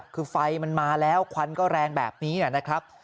คือไฟมันมาแล้วควันก็แรงแบบนี้นะครับ